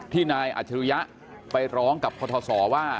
ที่นายอาจารยะไปร้องกับพทศว่า